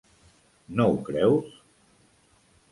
No ho creus?